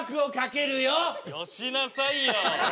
よしなさいよ。